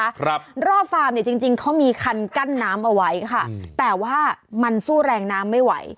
ครับรอบฟาร์มเนี้ยจริงจริงเขามีคันกั้นน้ำเอาไว้ค่ะแต่ว่ามันสู้แรงน้ำไม่ไหว